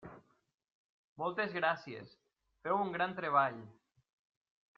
Moltes gràcies, feu un gran treball!